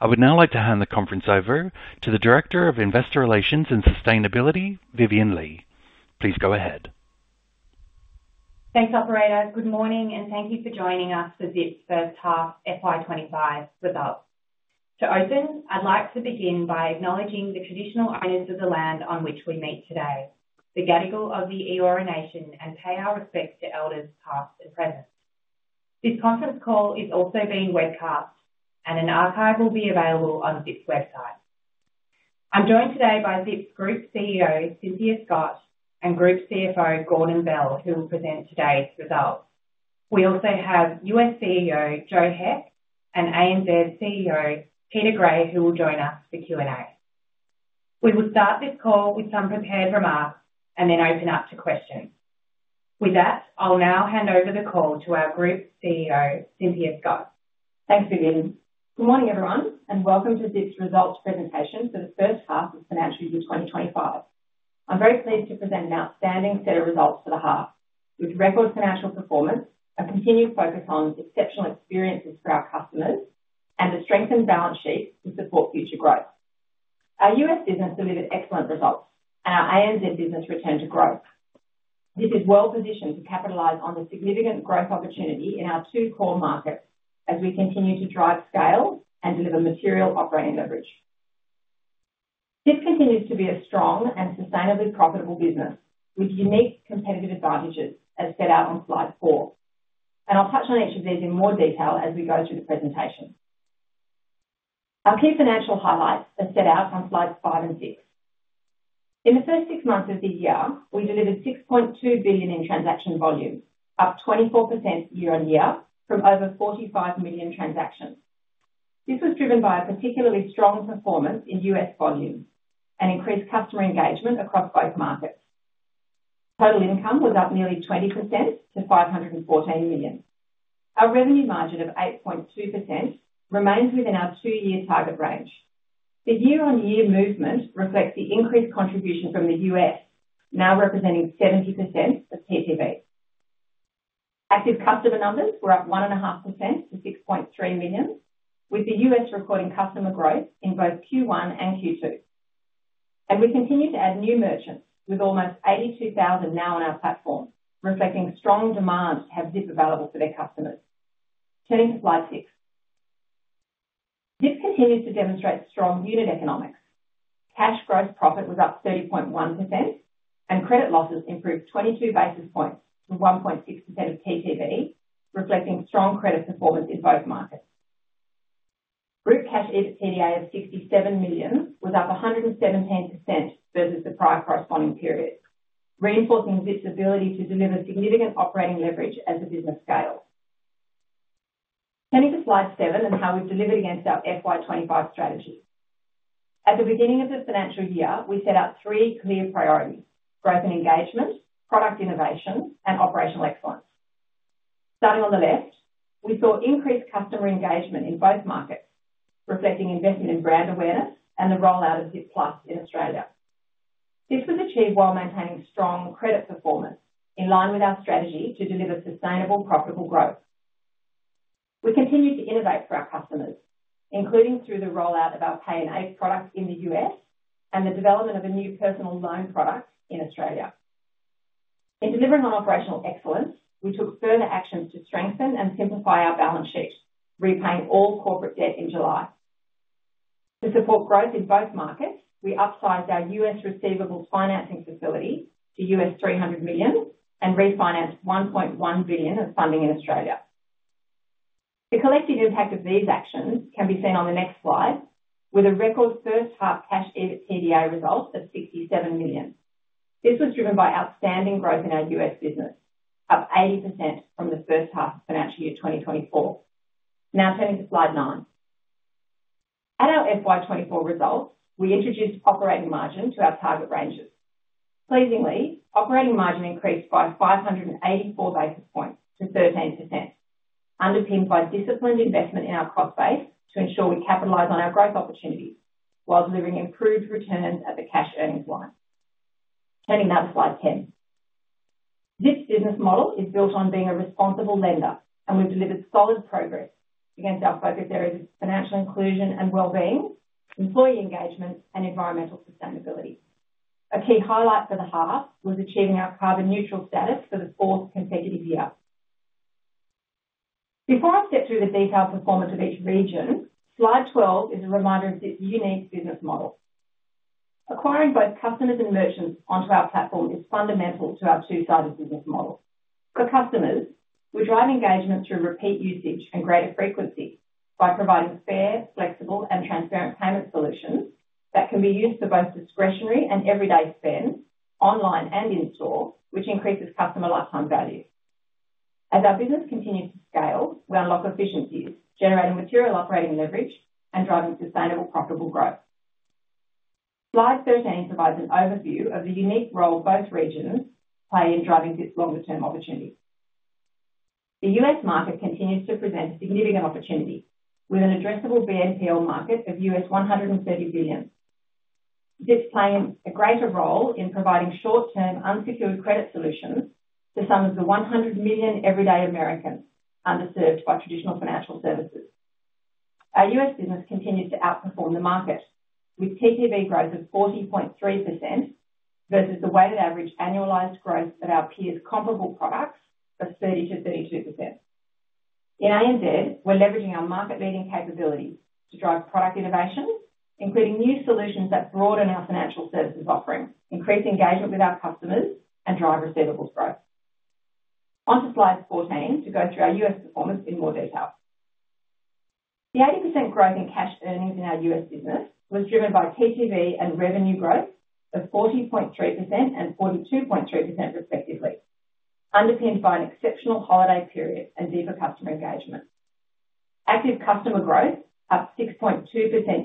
I would now like to hand the conference over to the Director of Investor Relations and Sustainability, Vivienne Lee. Please go ahead. Thanks, Operator. Good morning, and thank you for joining us for Zip's First Half, FY25, with us. To open, I'd like to begin by acknowledging the traditional owners of the land on which we meet today. The Gadigal of the Eora Nation, and pay our respects to elders past and present. This conference call is also being webcast, and an archive will be available on Zip's website. I'm joined today by Zip's Group CEO, Cynthia Scott, and Group CFO, Gordon Bell, who will present today's results. We also have US CEO, Joe Heck, and ANZ CEO, Peter Gray, who will join us for Q&A. We will start this call with some prepared remarks and then open up to questions. With that, I'll now hand over the call to our Group CEO, Cynthia Scott. Thanks, Vivienne. Good morning, everyone, and welcome to Zip's Results Presentation for the First Half of Financial Year 2025. I'm very pleased to present an outstanding set of results for the half, with record financial performance, a continued focus on exceptional experiences for our customers, and a strengthened balance sheet to support future growth. Our US business delivered excellent results, and our ANZ business returned to growth. This is well-positioned to capitalize on the significant growth opportunity in our two core markets as we continue to drive scale and deliver material operating leverage. Zip continues to be a strong and sustainably profitable business with unique competitive advantages, as set out on slide four, and I'll touch on each of these in more detail as we go through the presentation. Our key financial highlights are set out on slides five and six. In the first six months of the year, we delivered 6.2 billion in transaction volume, up 24% year-on-year from over 45 million transactions. This was driven by a particularly strong performance in US volume and increased customer engagement across both markets. Total income was up nearly 20% to 514 million. Our revenue margin of 8.2% remains within our two-year target range. The year-on-year movement reflects the increased contribution from the US, now representing 70% of TTV. Active customer numbers were up 1.5% to 6.3 million, with the US recording customer growth in both Q1 and Q2. And we continue to add new merchants, with almost 82,000 now on our platform, reflecting strong demand to have Zip available for their customers. Turning to slide six, Zip continues to demonstrate strong unit economics. Cash gross profit was up 30.1%, and credit losses improved 22 basis points to 1.6% of TTV, reflecting strong credit performance in both markets. Group cash EBITDA of 67 million was up 117% versus the prior corresponding period, reinforcing Zip's ability to deliver significant operating leverage as the business scales. Turning to slide seven and how we've delivered against our FY25 strategy. At the beginning of the financial year, we set out three clear priorities: growth and engagement, product innovation, and operational excellence. Starting on the left, we saw increased customer engagement in both markets, reflecting investment in brand awareness and the rollout of Zip Plus in Australia. This was achieved while maintaining strong credit performance in line with our strategy to deliver sustainable, profitable growth. We continued to innovate for our customers, including through the rollout of our Pay in 8 product in the US and the development of a new personal loan product in Australia. In delivering on operational excellence, we took further actions to strengthen and simplify our balance sheet, repaying all corporate debt in July. To support growth in both markets, we upsized our US receivables financing facility to $300 million and refinanced 1.1 billion of funding in Australia. The collective impact of these actions can be seen on the next slide, with a record first-half cash EBITDA result of 67 million. This was driven by outstanding growth in our US business, up 80% from the first half of financial year 2024. Now turning to slide nine. At our FY24 results, we introduced operating margin to our target ranges. Pleasingly, operating margin increased by 584 basis points to 13%, underpinned by disciplined investment in our cost base to ensure we capitalize on our growth opportunities while delivering improved returns at the cash earnings line. Turning now to slide 10. Zip's business model is built on being a responsible lender, and we've delivered solid progress against our focus areas of financial inclusion and well-being, employee engagement, and environmental sustainability. A key highlight for the half was achieving our carbon-neutral status for the fourth consecutive year. Before I step through the detailed performance of each region, slide 12 is a reminder of Zip's unique business model. Acquiring both customers and merchants onto our platform is fundamental to our two-sided business model. For customers, we drive engagement through repeat usage and greater frequency by providing fair, flexible, and transparent payment solutions that can be used for both discretionary and everyday spend, online and in-store, which increases customer lifetime value. As our business continues to scale, we unlock efficiencies, generating material operating leverage and driving sustainable, profitable growth. Slide 13 provides an overview of the unique role both regions play in driving Zip's longer-term opportunities. The US market continues to present a significant opportunity, with an addressable BNPL market of $130 billion. Zip's playing a greater role in providing short-term unsecured credit solutions to some of the 100 million everyday Americans underserved by traditional financial services. Our US business continues to outperform the market, with TTV growth of 40.3% versus the weighted average annualized growth of our peers' comparable products of 30% to 32%. In ANZ, we're leveraging our market-leading capabilities to drive product innovation, including new solutions that broaden our financial services offering, increase engagement with our customers, and drive receivables growth. Onto slide 14 to go through our US performance in more detail. The 80% growth in cash earnings in our US business was driven by TTV and revenue growth of 40.3% and 42.3%, respectively, underpinned by an exceptional holiday period and deeper customer engagement. Active customer growth, up 6.2%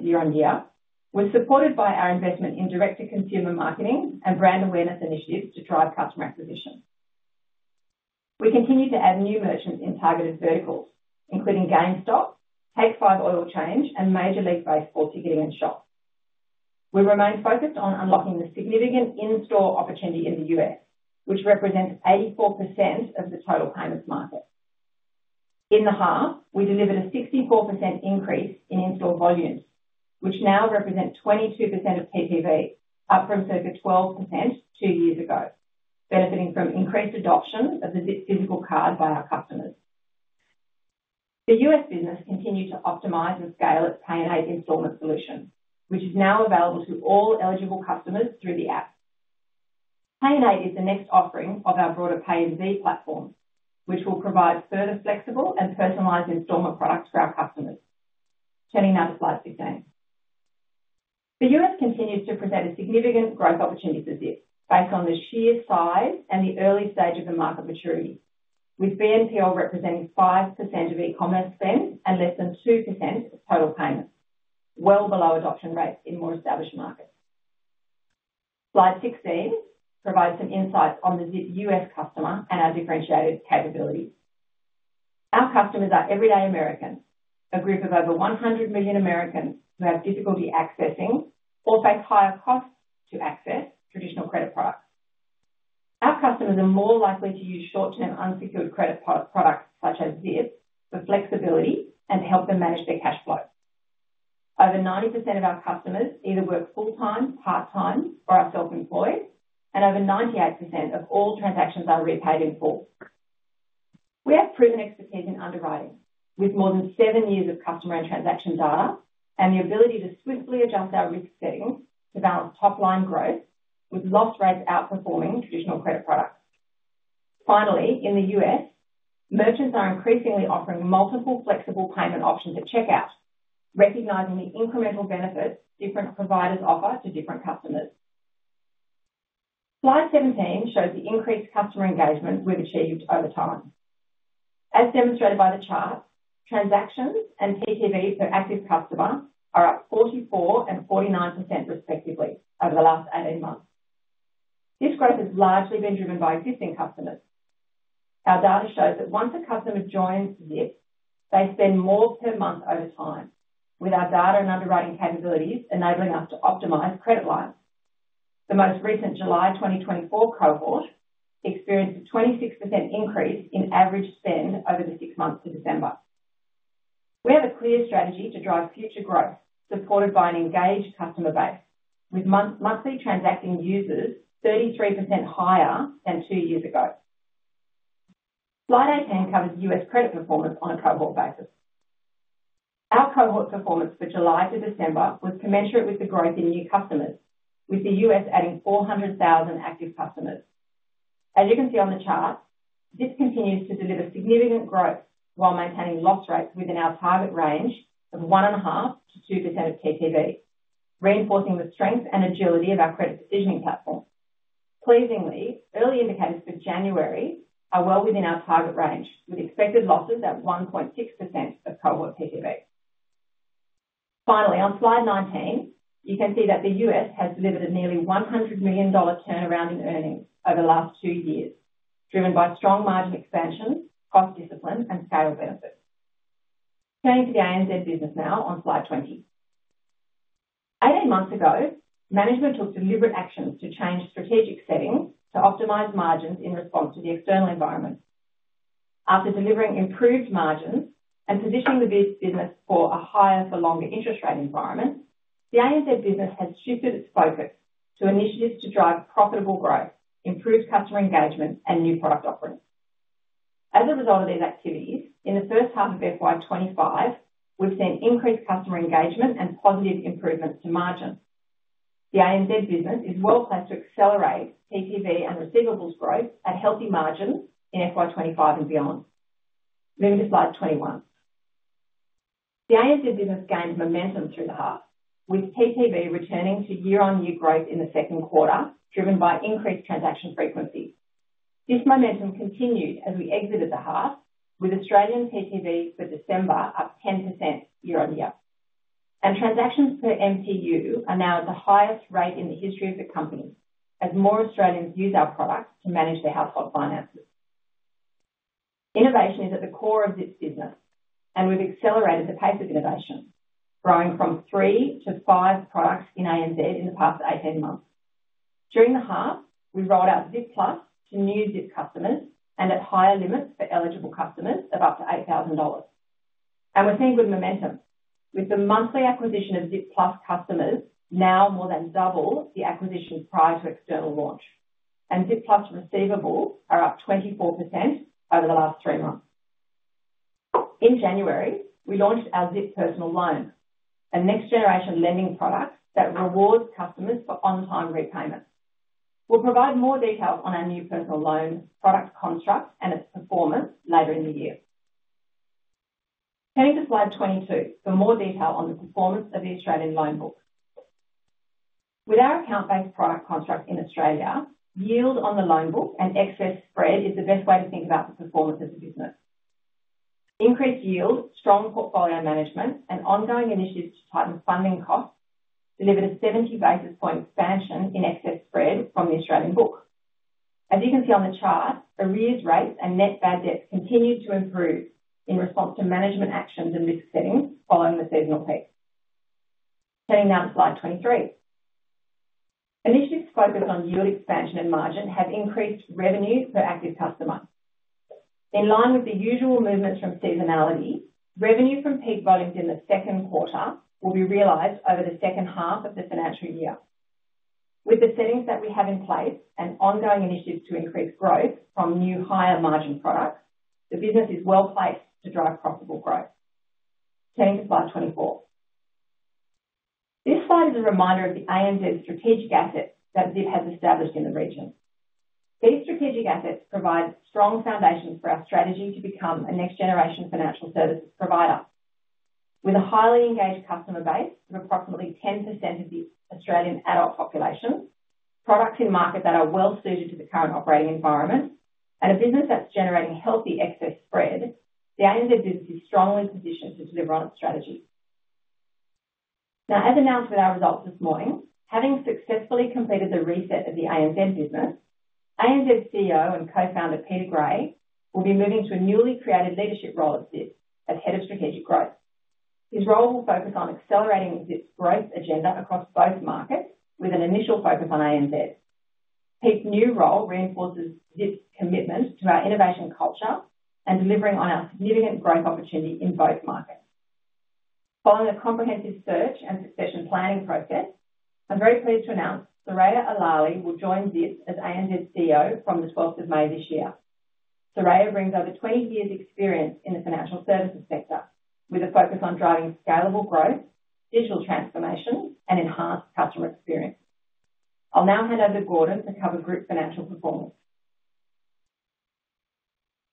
year-on-year, was supported by our investment in direct-to-consumer marketing and brand awareness initiatives to drive customer acquisition. We continue to add new merchants in targeted verticals, including GameStop, Take 5 Oil Change, and Major League Baseball Ticketing and Shop. We remain focused on unlocking the significant in-store opportunity in the US, which represents 84% of the total payments market. In the half, we delivered a 64% increase in in-store volumes, which now represent 22% of TTV, up from circa 12% two years ago, benefiting from increased adoption of the Zip physical card by our customers. The US business continued to optimize and scale its Pay in 8 installment solution, which is now available to all eligible customers through the app. Pay in 8 is the next offering of our broader Pay in Z platform, which will provide further flexible and personalized installment products for our customers. Turning now to slide 16. The US continues to present a significant growth opportunity for Zip based on the sheer size and the early stage of the market maturity, with BNPL representing 5% of e-commerce spend and less than 2% of total payments, well below adoption rates in more established markets. Slide 16 provides some insights on the Zip US customer and our differentiated capabilities. Our customers are everyday Americans, a group of over 100 million Americans who have difficulty accessing or face higher costs to access traditional credit products. Our customers are more likely to use short-term unsecured credit products such as Zip for flexibility and to help them manage their cash flow. Over 90% of our customers either work full-time, part-time, or are self-employed, and over 98% of all transactions are repaid in full. We have proven expertise in underwriting, with more than seven years of customer and transaction data and the ability to swiftly adjust our risk settings to balance top-line growth with loss rates outperforming traditional credit products. Finally, in the US, merchants are increasingly offering multiple flexible payment options at checkout, recognizing the incremental benefits different providers offer to different customers. Slide 17 shows the increased customer engagement we've achieved over time. As demonstrated by the chart, transactions and TTV per active customer are up 44% and 49%, respectively, over the last 18 months. This growth has largely been driven by existing customers. Our data shows that once a customer joins Zip, they spend more per month over time, with our data and underwriting capabilities enabling us to optimize credit lines. The most recent July 2024 cohort experienced a 26% increase in average spend over the six months to December. We have a clear strategy to drive future growth, supported by an engaged customer base, with monthly transacting users 33% higher than two years ago. Slide 18 covers US credit performance on a cohort basis. Our cohort performance for July to December was commensurate with the growth in new customers, with the US adding 400,000 active customers. As you can see on the chart, Zip continues to deliver significant growth while maintaining loss rates within our target range of 1.5% to 2% of TTV, reinforcing the strength and agility of our credit decisioning platform. Pleasingly, early indicators for January are well within our target range, with expected losses at 1.6% of cohort TTV. Finally, on slide 19, you can see that the US has delivered a nearly $100 million turnaround in earnings over the last two years, driven by strong margin expansion, cost discipline, and scale benefits. Turning to the ANZ business now on slide 20. 18 months ago, management took deliberate actions to change strategic settings to optimize margins in response to the external environment. After delivering improved margins and positioning the business for a higher-for-longer interest rate environment, the ANZ business has shifted its focus to initiatives to drive profitable growth, improved customer engagement, and new product offerings. As a result of these activities, in the first half of FY25, we've seen increased customer engagement and positive improvements to margins. The ANZ business is well placed to accelerate TTV and receivables growth at healthy margins in FY25 and beyond. Moving to slide 21. The ANZ business gained momentum through the half, with TTV returning to year-on-year growth in the second quarter, driven by increased transaction frequency. This momentum continued as we exited the half, with Australian TTV for December up 10% year-on-year. And transactions per MTU are now at the highest rate in the history of the company, as more Australians use our products to manage their household finances. Innovation is at the core of Zip's business, and we've accelerated the pace of innovation, growing from three to five products in ANZ in the past 18 months. During the half, we rolled out Zip Plus to new Zip customers and at higher limits for eligible customers of up to $8,000, and we're seeing good momentum, with the monthly acquisition of Zip Plus customers now more than double the acquisitions prior to external launch, and Zip Plus receivables are up 24% over the last three months. In January, we launched our Zip Personal Loan, a next-generation lending product that rewards customers for on-time repayment. We'll provide more details on our new Personal Loan product construct and its performance later in the year. Turning to slide 22 for more detail on the performance of the Australian loan book. With our account-based product construct in Australia, yield on the loan book and excess spread is the best way to think about the performance of the business. Increased yield, strong portfolio management, and ongoing initiatives to tighten funding costs delivered a 70 basis points expansion in excess spread from the Australian book. As you can see on the chart, arrears rates and net bad debts continued to improve in response to management actions and risk settings following the seasonal peak. Turning now to slide 23. Initiatives focused on yield expansion and margin have increased revenue per active customer. In line with the usual movements from seasonality, revenue from peak volumes in the second quarter will be realized over the second half of the financial year. With the settings that we have in place and ongoing initiatives to increase growth from new higher-margin products, the business is well placed to drive profitable growth. Turning to slide 24. This slide is a reminder of the ANZ strategic assets that Zip has established in the region. These strategic assets provide strong foundations for our strategy to become a next-generation financial services provider. With a highly engaged customer base of approximately 10% of the Australian adult population, products in market that are well suited to the current operating environment, and a business that's generating healthy excess spread, the ANZ business is strongly positioned to deliver on its strategy. Now, as announced with our results this morning, having successfully completed the reset of the ANZ business, ANZ CEO and co-founder Peter Gray will be moving to a newly created leadership role at Zip as Head of Strategic Growth. His role will focus on accelerating Zip's growth agenda across both markets, with an initial focus on ANZ. Pete's new role reinforces Zip's commitment to our innovation culture and delivering on our significant growth opportunity in both markets. Following a comprehensive search and succession planning process, I'm very pleased to announce Soraya Alali will join Zip as ANZ CEO from the 12th of May this year. Soraya brings over 20 years' experience in the financial services sector, with a focus on driving scalable growth, digital transformation, and enhanced customer experience. I'll now hand over to Gordon to cover Group's financial performance.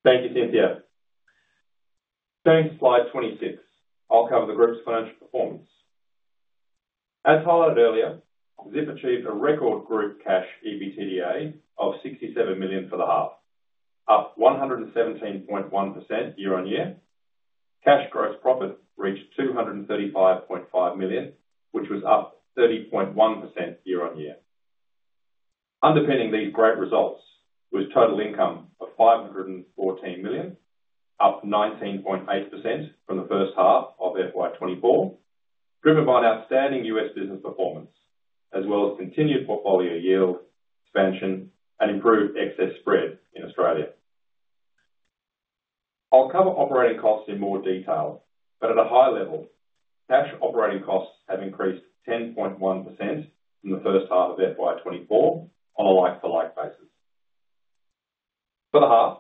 Thank you, Cynthia. Turning to slide 26, I'll cover the Group's financial performance. As highlighted earlier, Zip achieved a record Group cash EBITDA of 67 million for the half, up 117.1% year-on-year. Cash gross profit reached 235.5 million, which was up 30.1% year-on-year. Underpinning these great results was total income of 514 million, up 19.8% from the first half of FY24, driven by outstanding US business performance, as well as continued portfolio yield expansion and improved excess spread in Australia. I'll cover operating costs in more detail, but at a high level, cash operating costs have increased 10.1% from the first half of FY24 on a like-for-like basis. For the half,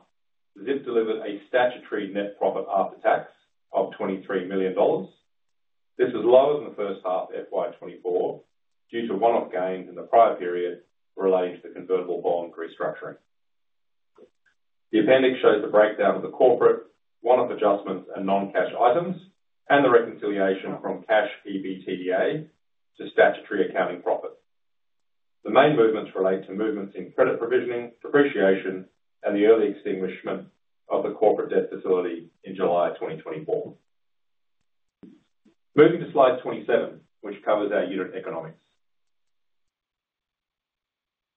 Zip delivered a statutory net profit after tax of 23 million dollars. This was lower than the first half of FY24 due to one-off gains in the prior period relating to the convertible bond restructuring. The appendix shows the breakdown of the corporate, one-off adjustments and non-cash items and the reconciliation from cash EBITDA to statutory accounting profit. The main movements relate to movements in credit provisioning, depreciation, and the early extinguishment of the corporate debt facility in July 2024. Moving to slide 27, which covers our unit economics.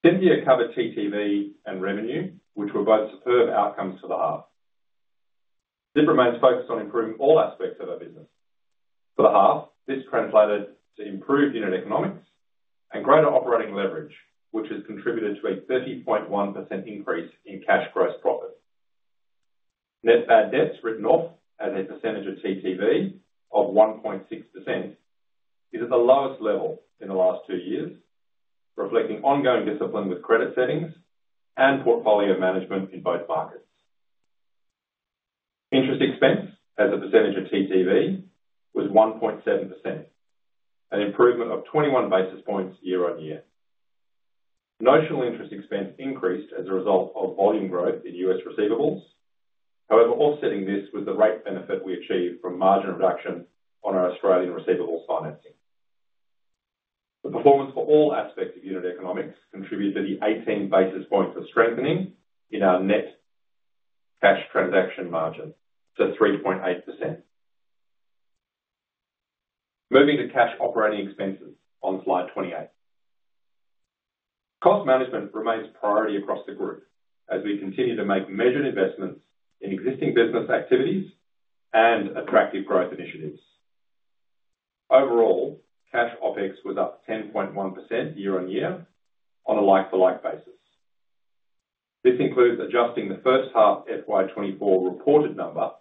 Cynthia covered TTV and revenue, which were both superb outcomes for the half. Zip remains focused on improving all aspects of our business. For the half, this translated to improved unit economics and greater operating leverage, which has contributed to a 30.1% increase in cash gross profit. Net bad debts written off as a percentage of TTV of 1.6% is at the lowest level in the last two years, reflecting ongoing discipline with credit settings and portfolio management in both markets. Interest expense as a percentage of TTV was 1.7%, an improvement of 21 basis points year-on-year. Notional interest expense increased as a result of volume growth in US receivables. However, offsetting this was the rate benefit we achieved from margin reduction on our Australian receivables financing. The performance for all aspects of unit economics contributed to the 18 basis points of strengthening in our net cash transaction margin to 3.8%. Moving to cash operating expenses on slide 28. Cost management remains a priority across the group as we continue to make measured investments in existing business activities and attractive growth initiatives. Overall, cash OpEx was up 10.1% year-on-year on a like-for-like basis. This includes adjusting the first half FY24 reported number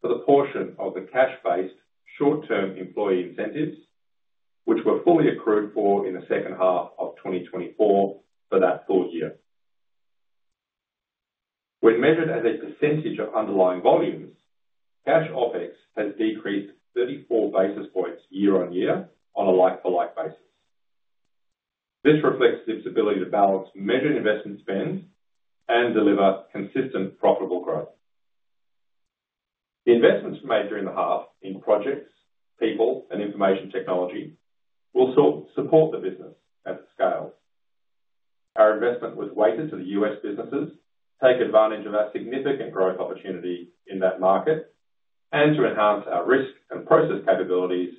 for the portion of the cash-based short-term employee incentives, which were fully accrued for in the second half of 2024 for that full year. When measured as a percentage of underlying volumes, cash OpEx has decreased 34 basis points year-on-year on a like-for-like basis. This reflects Zip's ability to balance measured investment spend and deliver consistent profitable growth. The investments made during the half in projects, people, and information technology will support the business at scale. Our investment was weighted to the US businesses to take advantage of our significant growth opportunity in that market and to enhance our risk and process capabilities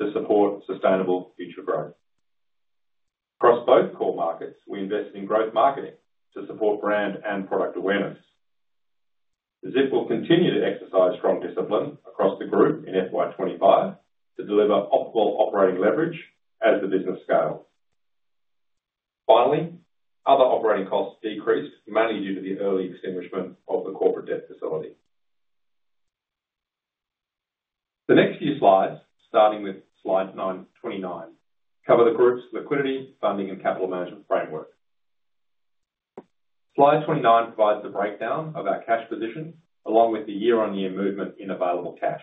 to support sustainable future growth. Across both core markets, we invest in growth marketing to support brand and product awareness. Zip will continue to exercise strong discipline across the group in FY25 to deliver optimal operating leverage as the business scales. Finally, other operating costs decreased mainly due to the early extinguishment of the corporate debt facility. The next few slides, starting with slide 29, cover the Group's liquidity, funding, and capital management framework. Slide 29 provides the breakdown of our cash position along with the year-on-year movement in available cash.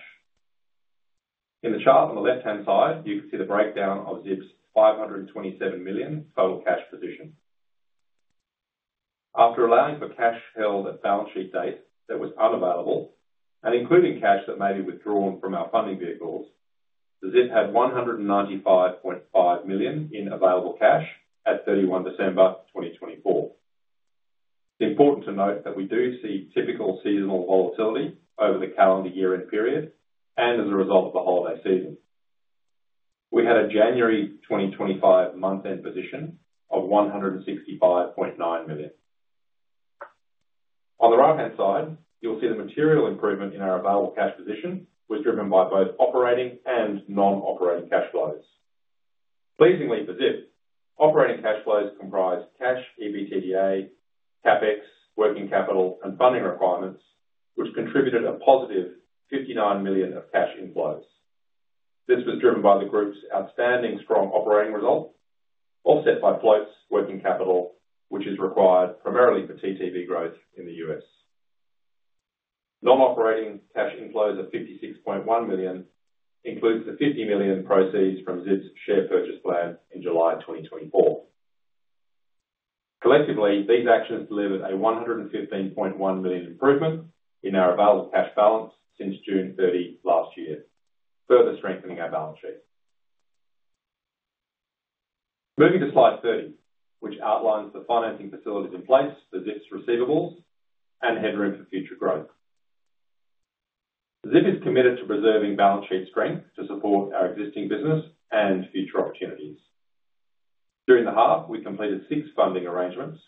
In the chart on the left-hand side, you can see the breakdown of Zip's 527 million total cash position. After allowing for cash held at balance sheet date that was unavailable and including cash that may be withdrawn from our funding vehicles, Zip had 195.5 million in available cash at 31 December 2024. It's important to note that we do see typical seasonal volatility over the calendar year-end period and as a result of the holiday season. We had a January 2025 month-end position of 165.9 million. On the right-hand side, you'll see the material improvement in our available cash position was driven by both operating and non-operating cash flows. Pleasingly for Zip, operating cash flows comprised cash EBITDA, CapEx, working capital, and funding requirements, which contributed a positive 59 million of cash inflows. This was driven by the Group's outstanding strong operating result, offset by floats working capital, which is required primarily for TTV growth in the US. Non-operating cash inflows of 56.1 million include the 50 million proceeds from Zip's share purchase plan in July 2024. Collectively, these actions delivered a 115.1 million improvement in our available cash balance since June 30 last year, further strengthening our balance sheet. Moving to slide 30, which outlines the financing facilities in place for Zip's receivables and headroom for future growth. Zip is committed to preserving balance sheet strength to support our existing business and future opportunities. During the half, we completed six funding arrangements,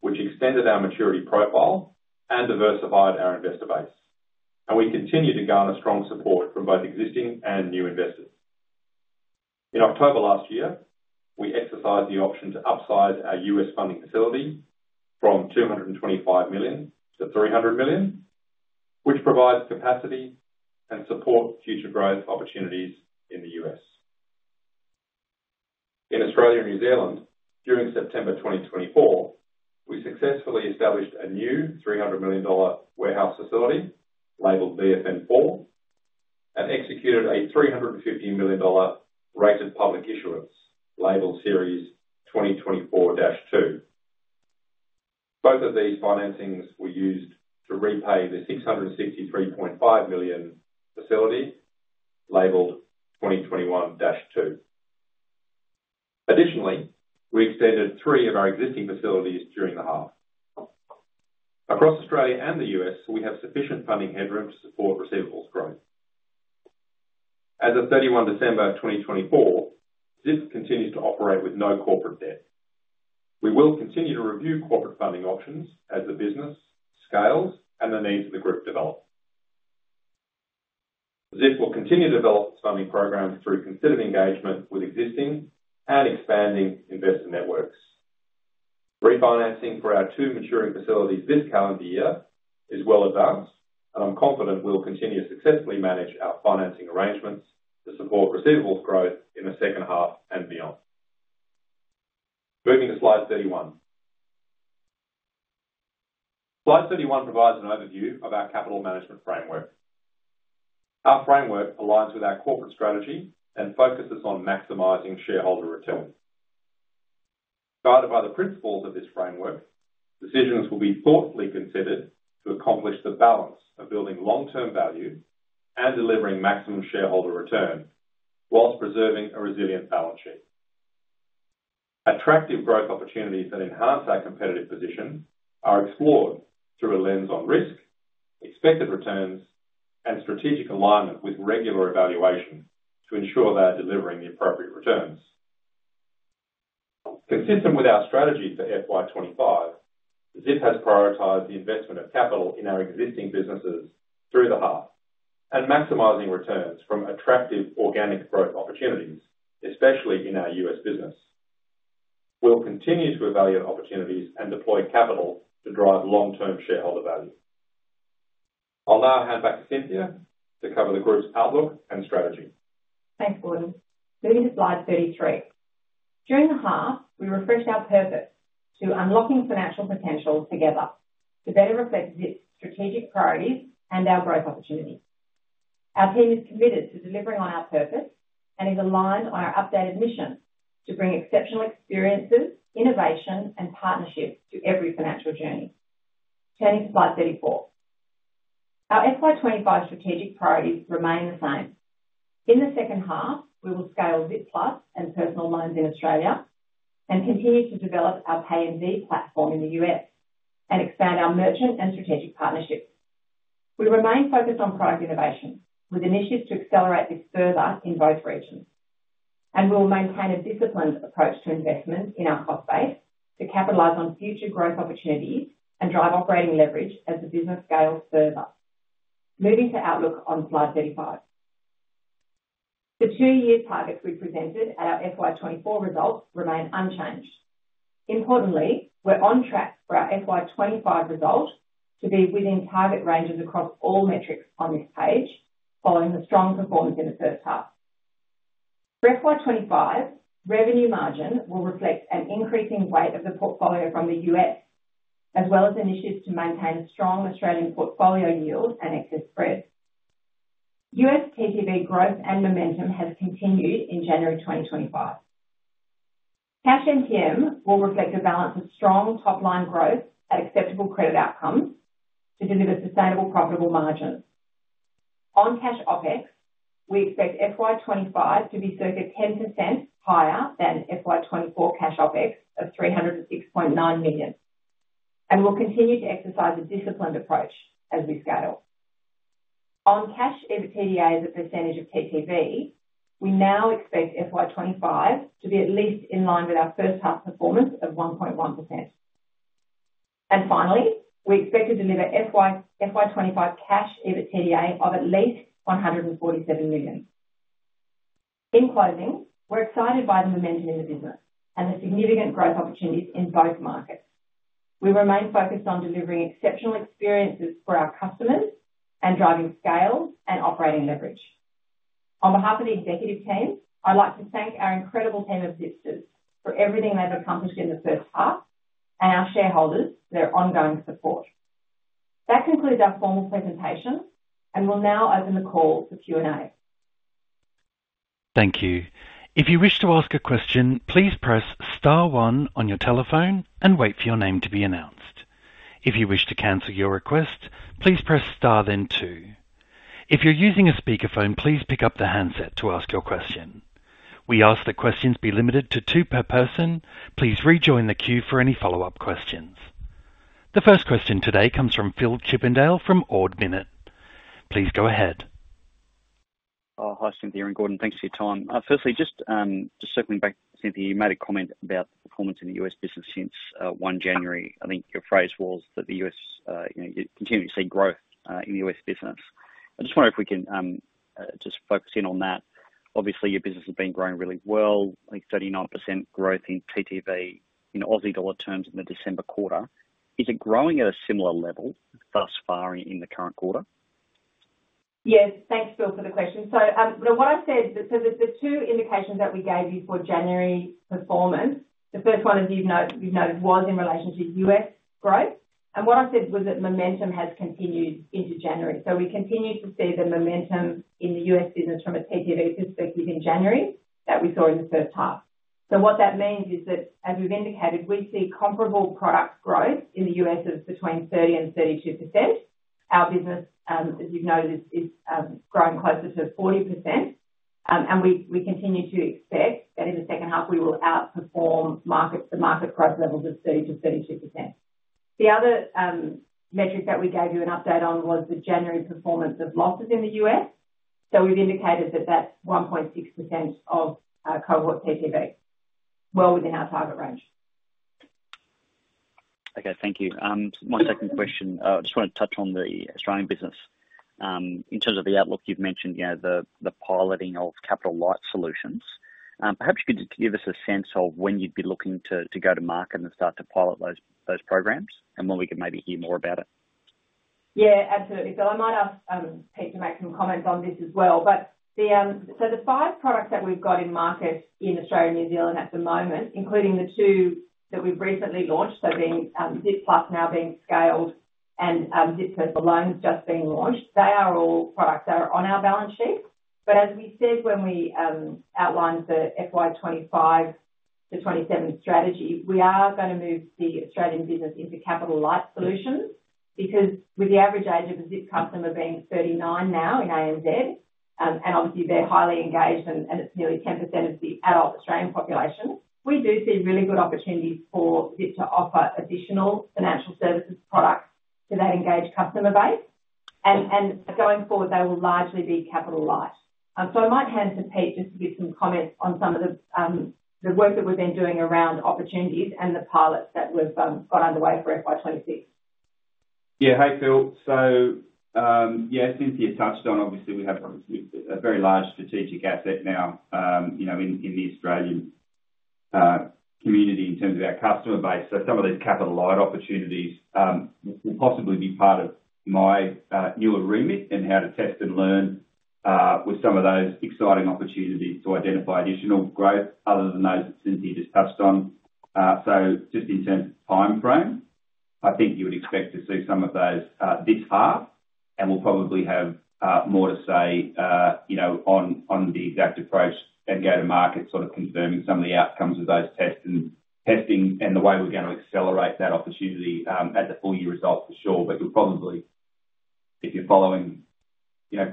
which extended our maturity profile and diversified our investor base, and we continue to garner strong support from both existing and new investors. In October last year, we exercised the option to upsize our US funding facility from $225 to 300 million, which provides capacity and support future growth opportunities in the US. In Australia and New Zealand, during September 2024, we successfully established a new 300 million dollar warehouse facility labeled VFN-4 and executed a 350 million dollar rated public issuance labeled Series 2024-2. Both of these financings were used to repay the 663.5 million facility labeled 2021-2. Additionally, we extended three of our existing facilities during the half. Across Australia and the US, we have sufficient funding headroom to support receivables growth. As of 31 December 2024, Zip continues to operate with no corporate debt. We will continue to review corporate funding options as the business scales and the needs of the Group develop. Zip will continue to develop its funding program through considered engagement with existing and expanding investor networks. Refinancing for our two maturing facilities this calendar year is well advanced, and I'm confident we'll continue to successfully manage our financing arrangements to support receivables growth in the second half and beyond. Moving to slide 31. Slide 31 provides an overview of our capital management framework. Our framework aligns with our corporate strategy and focuses on maximizing shareholder return. Guided by the principles of this framework, decisions will be thoughtfully considered to accomplish the balance of building long-term value and delivering maximum shareholder return while preserving a resilient balance sheet. Attractive growth opportunities that enhance our competitive position are explored through a lens on risk, expected returns, and strategic alignment with regular evaluation to ensure they are delivering the appropriate returns. Consistent with our strategy for FY25, Zip has prioritized the investment of capital in our existing businesses through the half and maximizing returns from attractive organic growth opportunities, especially in our US business. We'll continue to evaluate opportunities and deploy capital to drive long-term shareholder value. I'll now hand back to Cynthia to cover the Group's outlook and strategy. Thanks, Gordon. Moving to slide 33. During the half, we refreshed our purpose to unlocking financial potential together to better reflect Zip's strategic priorities and our growth opportunities. Our team is committed to delivering on our purpose and is aligned on our updated mission to bring exceptional experiences, innovation, and partnerships to every financial journey. Turning to slide 34. Our FY25 strategic priorities remain the same. In the second half, we will scale Zip Plus and personal loans in Australia and continue to develop our Pay in Z platform in the US and expand our merchant and strategic partnerships. We remain focused on product innovation with initiatives to accelerate this further in both regions, and we will maintain a disciplined approach to investment in our cost base to capitalize on future growth opportunities and drive operating leverage as the business scales further. Moving to outlook on slide 35. The two-year targets we presented at our FY24 results remain unchanged. Importantly, we're on track for our FY25 result to be within target ranges across all metrics on this page, following the strong performance in the first half. For FY25, revenue margin will reflect an increasing weight of the portfolio from the US, as well as initiatives to maintain a strong Australian portfolio yield and excess spread. US TTV growth and momentum has continued in January 2025. Cash NTM will reflect a balance of strong top-line growth at acceptable credit outcomes to deliver sustainable profitable margins. On cash OpEx, we expect FY25 to be circa 10% higher than FY24 cash OpEx of 306.9 million, and we'll continue to exercise a disciplined approach as we scale. On cash EBITDA as a percentage of TTV, we now expect FY25 to be at least in line with our first half performance of 1.1%. Finally, we expect to deliver FY25 cash EBITDA of at least 147 million. In closing, we're excited by the momentum in the business and the significant growth opportunities in both markets. We remain focused on delivering exceptional experiences for our customers and driving scale and operating leverage. On behalf of the executive team, I'd like to thank our incredible team of Zip Group for everything they've accomplished in the first half and our shareholders for their ongoing support. That concludes our formal presentation, and we'll now open the call for Q&A. Thank you. If you wish to ask a question, please press star one on your telephone and wait for your name to be announced. If you wish to cancel your request, please press star then two. If you're using a speakerphone, please pick up the handset to ask your question. We ask that questions be limited to two per person. Please rejoin the queue for any follow-up questions. The first question today comes from Philip Chippendale from Ord Minnett. Please go ahead. Hi, Cynthia and Gordon. Thanks for your time. Firstly, just circling back, Cynthia, you made a comment about the performance in the US business since 1 January. I think your phrase was that the US continued to see growth in the US business. I just wonder if we can just focus in on that. Obviously, your business has been growing really well, 39% growth in TTV in Aussie dollar terms in the December quarter. Is it growing at a similar level thus far in the current quarter? Yes. Thanks, Phil, for the question. So what I said, so the two indications that we gave you for January performance, the first one as you've noted, was in relation to US growth. And what I said was that momentum has continued into January. So we continue to see the momentum in the US business from a TTV perspective in January that we saw in the first half. So what that means is that, as we've indicated, we see comparable product growth in the US of between 30% and 32%. Our business, as you've noted, is growing closer to 40%. And we continue to expect that in the second half, we will outperform the market growth levels of 30% to 32%. The other metric that we gave you an update on was the January performance of losses in the US. So we've indicated that that's 1.6% of cohort TTV, well within our target range. Okay. Thank you. My second question, I just want to touch on the Australian business. In terms of the outlook, you've mentioned the piloting of capital light solutions. Perhaps you could give us a sense of when you'd be looking to go to market and start to pilot those programs and when we could maybe hear more about it. Yeah, absolutely. I might ask Pete to make some comments on this as well. The five products that we've got in market in Australia and New Zealand at the moment, including the two that we've recently launched, so Zip Plus now being scaled and Zip Personal Loans just being launched, they are all products that are on our balance sheet. But as we said when we outlined the FY25 to 27 strategy, we are going to move the Australian business into capital light solutions because with the average age of a Zip customer being 39 now in ANZ, and obviously they're highly engaged and it's nearly 10% of the adult Australian population, we do see really good opportunities for Zip to offer additional financial services products to that engaged customer base. And going forward, they will largely be capital light. So I might hand to Pete just to give some comments on some of the work that we've been doing around opportunities and the pilots that we've got underway for FY26. Yeah. Hey, Phil. Yeah, Cynthia touched on, obviously, we have a very large strategic asset now in the Australian community in terms of our customer base. Some of these capital light opportunities will possibly be part of my newer remit and how to test and learn with some of those exciting opportunities to identify additional growth other than those that Cynthia just touched on. So just in terms of time frame, I think you would expect to see some of those this half, and we'll probably have more to say on the exact approach and go to market sort of confirming some of the outcomes of those tests and the way we're going to accelerate that opportunity at the full year result for sure. But you'll probably, if you're following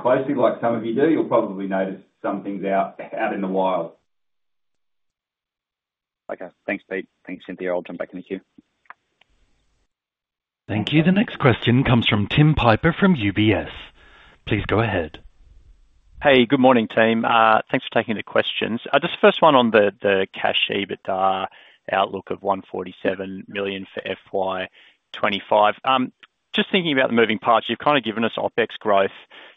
closely like some of you do, you'll probably notice some things out in the wild. Okay. Thanks, Pete. Thanks, Cynthia. I'll jump back in the queue. Thank you. The next question comes from Tim Piper from UBS. Please go ahead. Hey, good morning, team. Thanks for taking the questions. Just first one on the cash EBITDA outlook of 147 million for FY25. Just thinking about the moving parts, you've kind of given us OpEx growth,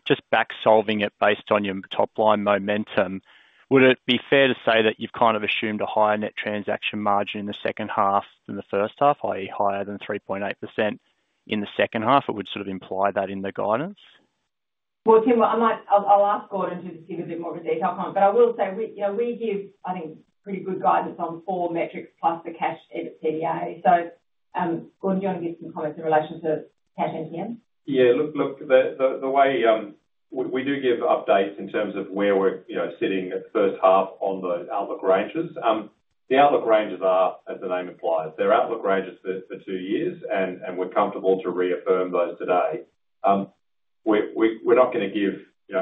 just back-solving it based on your top-line momentum. Would it be fair to say that you've kind of assumed a higher net transaction margin in the second half than the first half, i.e., higher than 3.8% in the second half? It would sort of imply that in the guidance. Well, Tim, I'll ask Gordon to give a bit more of a detail comment. But I will say we give, I think, pretty good guidance on four metrics plus the cash EBITDA. So Gordon, do you want to give some comments in relation to cash NTM? Yeah. Look, the way we do give updates in terms of where we're sitting at first half on the outlook ranges, the outlook ranges are, as the name implies, they're outlook ranges for two years, and we're comfortable to reaffirm those today. We're not going to give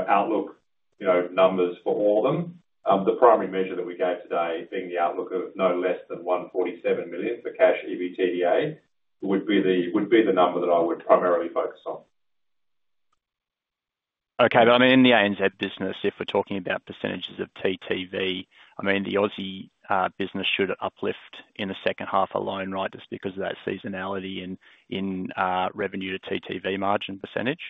outlook numbers for all of them. The primary measure that we gave today being the outlook of no less than 147 million for cash EBITDA would be the number that I would primarily focus on. Okay. But I mean, in the ANZ business, if we're talking about percentages of TTV, I mean, the Aussie business should uplift in the second half alone, right, just because of that seasonality in revenue to TTV margin percentage?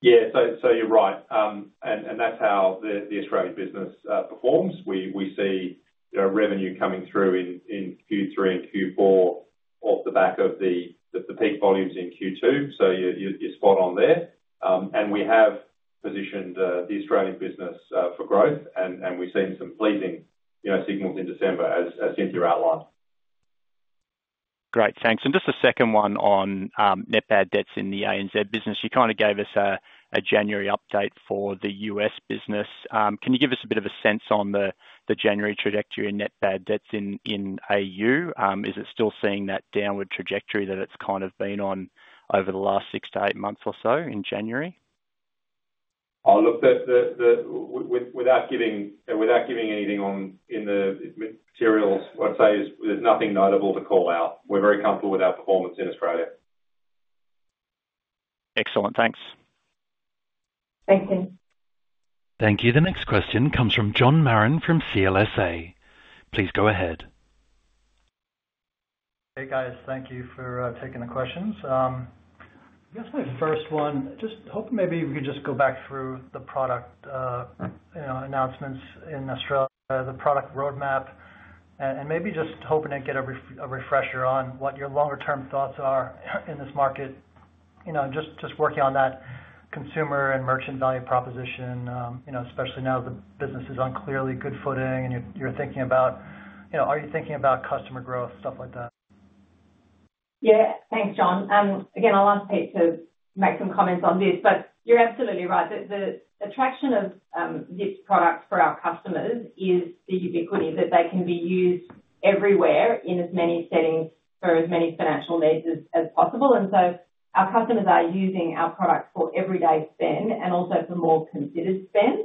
Yeah. So you're right. And that's how the Australian business performs. We see revenue coming through in Q3 and Q4 off the back of the peak volumes in Q2. So you're spot on there. And we have positioned the Australian business for growth, and we've seen some pleasing signals in December, as Cynthia outlined. Great. Thanks. And just a second one on net bad debts in the ANZ business. You kind of gave us a January update for the US business. Can you give us a bit of a sense on the January trajectory in net bad debts in AU? Is it still seeing that downward trajectory that it's kind of been on over the last six to eight months or so in January? Look, without giving anything in the materials, I'd say there's nothing notable to call out. We're very comfortable with our performance in Australia. Excellent. Thanks. Thanks, Tim. Thank you. The next question comes from John Marrin from CLSA. Please go ahead. Hey, guys. Thank you for taking the questions. I guess my first one, just hoping maybe we could just go back through the product announcements in Australia, the product roadmap, and maybe just hoping to get a refresher on what your longer-term thoughts are in this market, just working on that consumer and merchant value proposition, especially now that the business is on clearly good footing and you're thinking about, are you thinking about customer growth, stuff like that? Yeah. Thanks, John. Again, I'll ask Pete to make some comments on this. But you're absolutely right. The attraction of Zip's products for our customers is the ubiquity that they can be used everywhere in as many settings for as many financial needs as possible. And so our customers are using our product for everyday spend and also for more considered spend.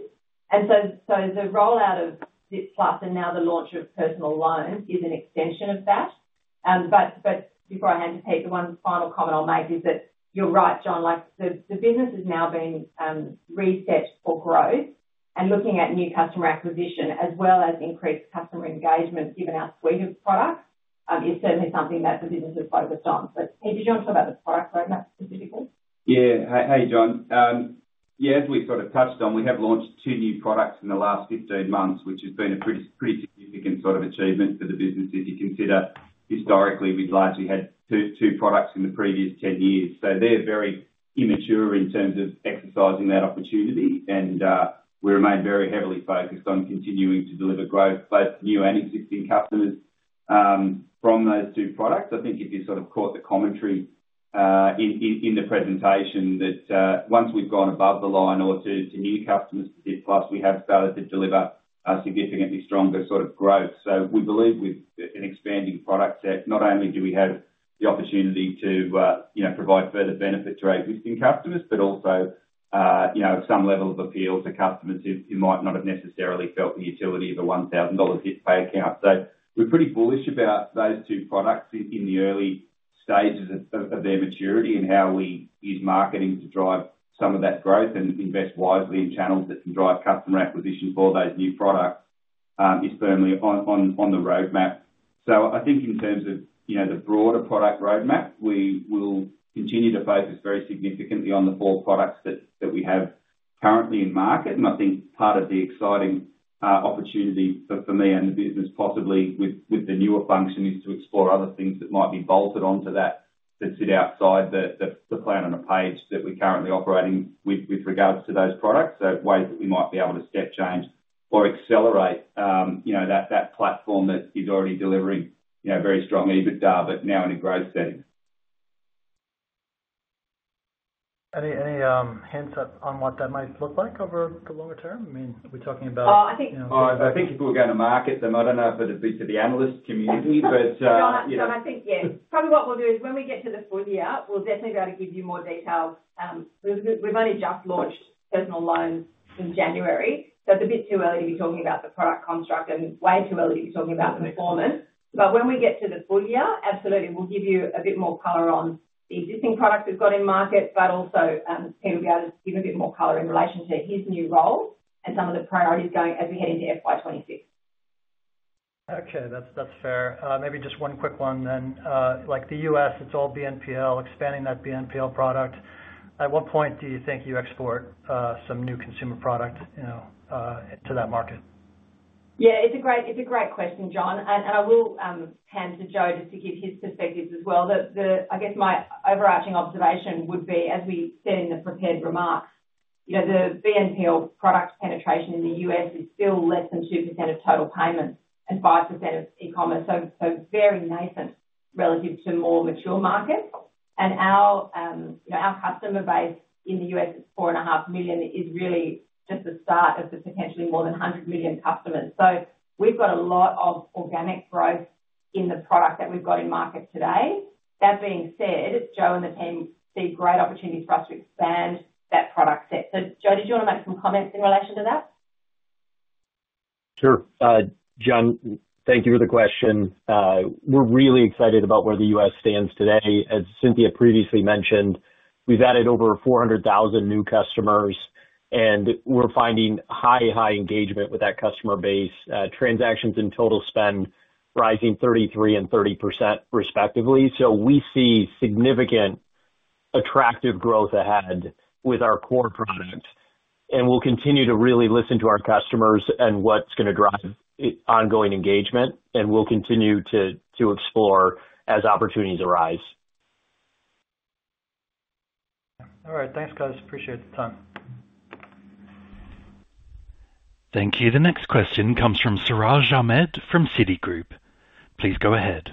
And so the rollout of Zip Plus and now the launch of personal loans is an extension of that. But before I hand to Pete, the one final comment I'll make is that you're right, John. The business has now been reset for growth and looking at new customer acquisition as well as increased customer engagement given our suite of products is certainly something that the business has focused on. But Pete, did you want to talk about the product roadmap specifically? Yeah. Hey, John. Yeah, as we sort of touched on, we have launched two new products in the last 15 months, which has been a pretty significant sort of achievement for the business. If you consider historically, we've largely had two products in the previous 10 years. So they're very immature in terms of exercising that opportunity, and we remain very heavily focused on continuing to deliver growth both to new and existing customers from those two products. I think if you sort of caught the commentary in the presentation that once we've gone above the line or to new customers for Zip Plus, we have started to deliver a significantly stronger sort of growth. So we believe with an expanding product set, not only do we have the opportunity to provide further benefit to our existing customers, but also some level of appeal to customers who might not have necessarily felt the utility of an 1,000 dollar Zip Pay account. We're pretty bullish about those two products in the early stages of their maturity and how we use marketing to drive some of that growth and invest wisely in channels that can drive customer acquisition for those new products is firmly on the roadmap. I think in terms of the broader product roadmap, we will continue to focus very significantly on the four products that we have currently in market. Part of the exciting opportunity for me and the business, possibly with the newer function, is to explore other things that might be bolted onto that that sit outside the plan on a page that we're currently operating with regards to those products. Ways that we might be able to step change or accelerate that platform that is already delivering very strong EBITDA, but now in a growth setting. Any hints on what that might look like over the longer term? I mean, we're talking about. I think if we were going to market them, I don't know if it would be to the analyst community, but. John, I think, yeah. Probably what we'll do is when we get to the full year, we'll definitely be able to give you more details. We've only just launched personal loans in January. So it's a bit too early to be talking about the product construct and way too early to be talking about performance. But when we get to the full year, absolutely, we'll give you a bit more color on the existing products we've got in market, but also Peter will be able to give a bit more color in relation to his new role and some of the priorities going as we head into FY26. Okay. That's fair. Maybe just one quick one then. The US, it's all BNPL, expanding that BNPL product. At what point do you think you export some new consumer product to that market? Yeah. It's a great question, John. And I will hand to Joe just to give his perspectives as well. I guess my overarching observation would be, as we said in the prepared remarks, the BNPL product penetration in the US is still less than 2% of total payments and 5% of e-commerce. So very nascent relative to more mature markets. And our customer base in the US is 4.5 million is really just the start of the potentially more than 100 million customers. So we've got a lot of organic growth in the product that we've got in market today. That being said, Joe and the team see great opportunities for us to expand that product set. So Joe, did you want to make some comments in relation to that? Sure. John, thank you for the question. We're really excited about where the US stands today. As Cynthia previously mentioned, we've added over 400,000 new customers, and we're finding high, high engagement with that customer base. Transactions and total spend rising 33% and 30% respectively. So we see significant attractive growth ahead with our core product. And we'll continue to really listen to our customers and what's going to drive ongoing engagement. And we'll continue to explore as opportunities arise. All right. Thanks, guys. Appreciate the time. Thank you. The next question comes from Siraj Ahmed from Citigroup. Please go ahead.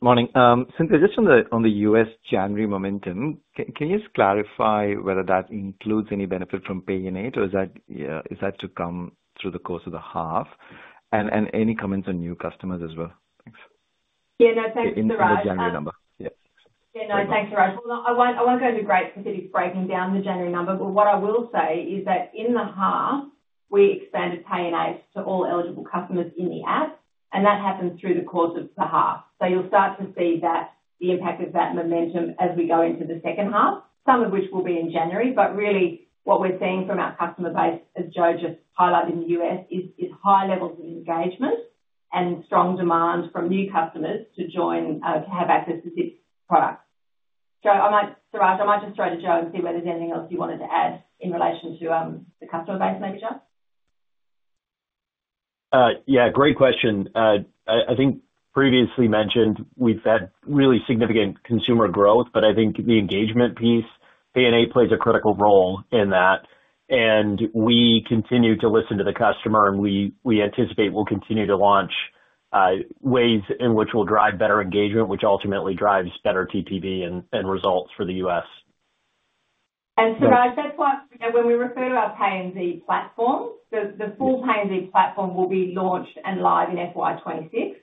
Morning. Just on the US January momentum, can you just clarify whether that includes any benefit from Pay in 8, or is that to come through the course of the half? Any comments on new customers as well? Thanks, Siraj. I won't go into great specifics breaking down the January number, but what I will say is that in the half, we expanded Pay in 8 to all eligible customers in the app, and that happened through the course of the half. So you'll start to see the impact of that momentum as we go into the second half, some of which will be in January. But really, what we're seeing from our customer base, as Joe just highlighted in the US, is high levels of engagement and strong demand from new customers to join to have access to Zip's products. Siraj, I might just throw to Joe and see whether there's anything else you wanted to add in relation to the customer base, maybe, John? Yeah. Great question. I think previously mentioned, we've had really significant consumer growth, but I think the engagement piece, Pay in 8 plays a critical role in that. And we continue to listen to the customer, and we anticipate we'll continue to launch ways in which we'll drive better engagement, which ultimately drives better TTV and results for the US And Siraj, when we refer to our Pay in Z platform, the full Pay in Z platform will be launched and live in FY26.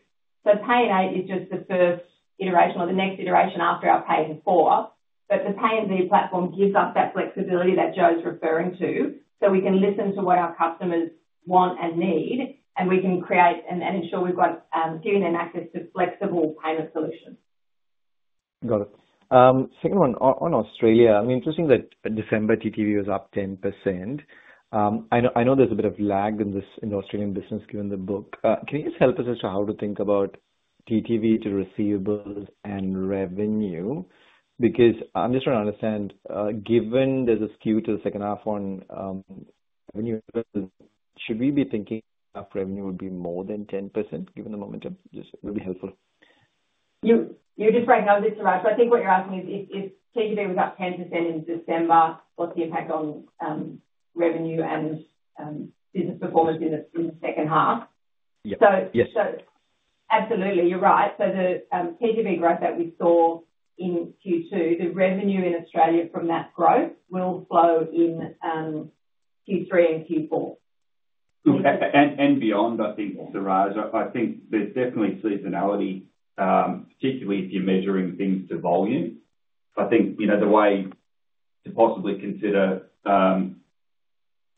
So Pay in 8 is just the first iteration or the next iteration after our Pay in Z platform. But the Pay in 4 platform gives us that flexibility that Joe's referring to. So we can listen to what our customers want and need, and we can create and ensure we've given them access to flexible payment solutions. Got it. Second one, on Australia, I mean, it's interesting that December TTV was up 10%. I know there's a bit of lag in the Australian business given the book. Can you just help us as to how to think about TTV to receivables and revenue? Because I'm just trying to understand, given there's a skew to the second half on revenue, should we be thinking revenue would be more than 10% given the momentum? Just it would be helpful. You're just right, no, Siraj. So I think what you're asking is, if TTV was up 10% in December, what's the impact on revenue and business performance in the second half? Yes. So absolutely, you're right. So the TTV growth that we saw in Q2, the revenue in Australia from that growth will flow in Q3 and Q4. And beyond, I think, Siraj. I think there's definitely seasonality, particularly if you're measuring things to volume. I think the way to possibly consider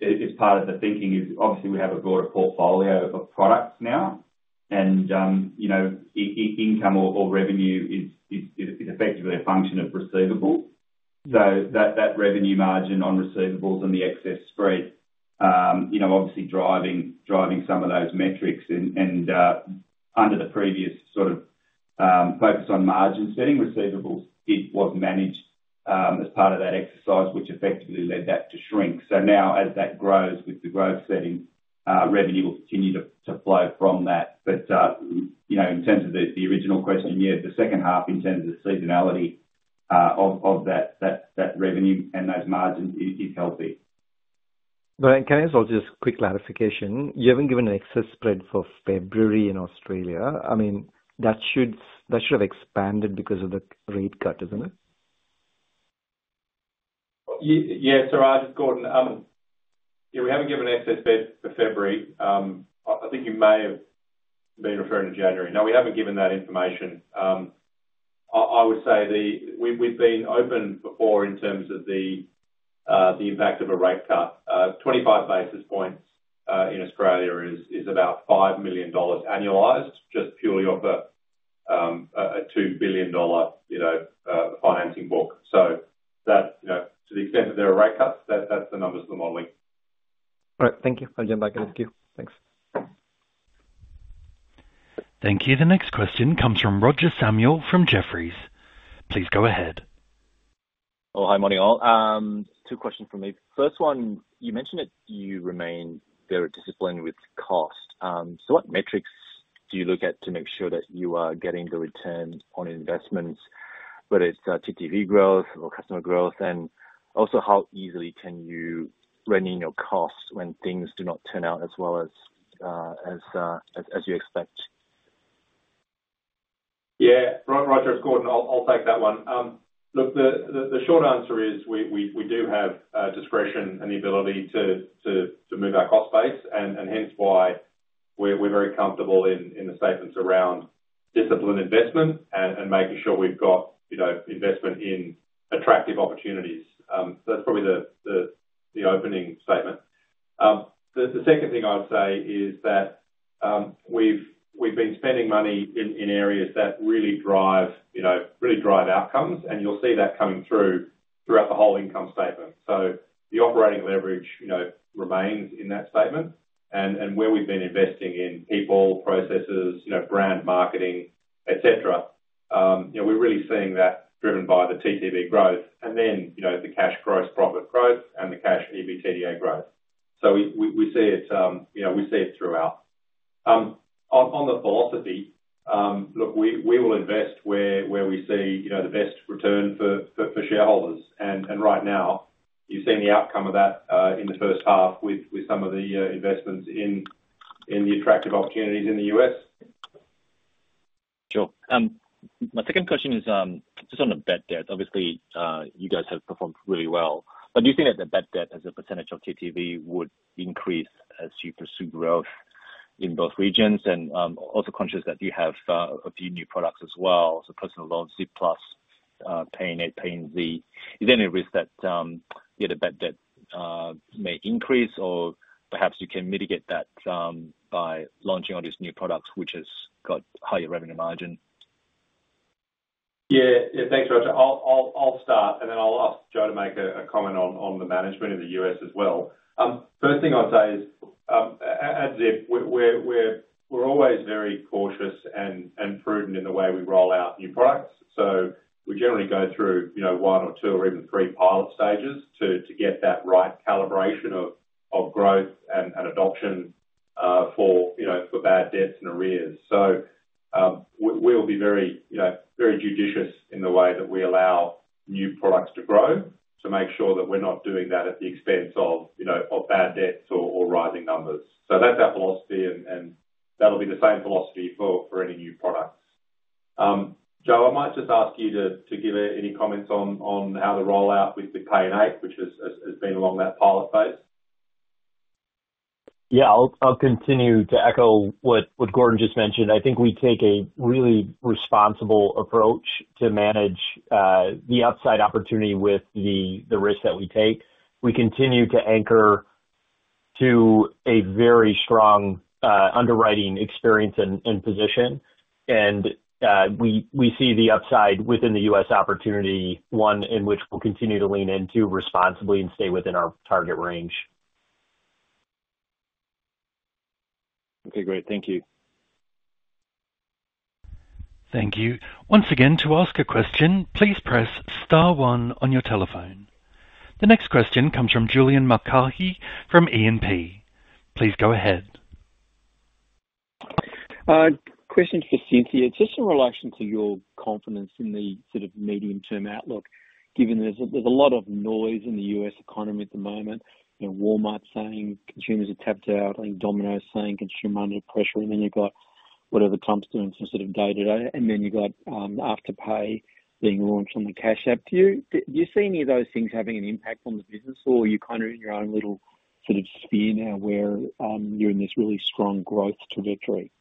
it's part of the thinking is, obviously, we have a broader portfolio of products now, and income or revenue is effectively a function of receivables, so that revenue margin on receivables and the excess spread, obviously, driving some of those metrics, and under the previous sort of focus on margin setting, receivables was managed as part of that exercise, which effectively led that to shrink, so now, as that grows with the growth setting, revenue will continue to flow from that, but in terms of the original question, yeah, the second half in terms of seasonality of that revenue and those margins is healthy. Can I ask just a quick clarification? You haven't given an excess spread for February in Australia. I mean, that should have expanded because of the rate cut, isn't it? Yeah. Siraj, Gordon, yeah, we haven't given an excess spread for February. I think you may have been referring to January. No, we haven't given that information. I would say we've been open before in terms of the impact of a rate cut. 25 basis points in Australia is about 5 million dollars annualized just purely off a 2 billion dollar financing book. So to the extent that there are rate cuts, that's the numbers for the modeling. All right. Thank you. I'll jump back in. Thank you. Thanks. Thank you. The next question comes from Roger Samuel from Jefferies. Please go ahead. Oh, hi, morning all. Two questions for me. First one, you mentioned that you remain very disciplined with cost. So what metrics do you look at to make sure that you are getting the return on investments, whether it's TTV growth or customer growth? And also, how easily can you rein in your costs when things do not turn out as well as you expect? Yeah. Roger, Gordon, I'll take that one. Look, the short answer is we do have discretion and the ability to move our cost base, and hence why we're very comfortable in the statements around disciplined investment and making sure we've got investment in attractive opportunities. So that's probably the opening statement. The second thing I would say is that we've been spending money in areas that really drive outcomes, and you'll see that coming through throughout the whole income statement. So the operating leverage remains in that statement. And where we've been investing in people, processes, brand marketing, etc., we're really seeing that driven by the TTV growth and then the cash gross profit growth and the cash EBITDA growth. So we see it throughout. On the philosophy, look, we will invest where we see the best return for shareholders. And right now, you've seen the outcome of that in the first half with some of the investments in the attractive opportunities in the US. Sure. My second question is just on the bad debt. Obviously, you guys have performed really well. But do you think that the bad debt as a percentage of TTV would increase as you pursue growth in both regions? And also conscious that you have a few new products as well, so personal loans, Zip Plus, Pay in Z, Pay in 8. Is there any risk that the bad debt may increase, or perhaps you can mitigate that by launching all these new products which have got higher revenue margin? Yeah. Yeah. Thanks, Roger. I'll start, and then I'll ask Joe to make a comment on the market in the US as well. First thing I'd say is, at Zip, we're always very cautious and prudent in the way we roll out new products. So we generally go through one or two or even three pilot stages to get that right calibration of growth and adoption for bad debts and arrears. So we'll be very judicious in the way that we allow new products to grow to make sure that we're not doing that at the expense of bad debts or rising numbers. So that's our philosophy, and that'll be the same philosophy for any new products. Joe, I might just ask you to give any comments on how the rollout with the Pay in 8, which has been in that pilot phase. Yeah. I'll continue to echo what Gordon just mentioned. I think we take a really responsible approach to manage the upside opportunity with the risk that we take. We continue to anchor to a very strong underwriting experience and position, and we see the upside within the US opportunity, one in which we'll continue to lean into responsibly and stay within our target range. Okay. Great. Thank you. Thank you. Once again, to ask a question, please press star one on your telephone. The next question comes from Julian Mulcahy from E & P. Please go ahead. Question for Cynthia. Just in relation to your confidence in the sort of medium-term outlook, given there's a lot of noise in the US economy at the moment, Walmart saying consumers are tapped out, Domino's saying consumer money pressure, and then you've got whatever Trump's doing for sort of day-to-day, and then you've got Afterpay being launched on the Cash App. Do you see any of those things having an impact on the business, or are you kind of in your own little sort of sphere now where you're in this really strong growth trajectory?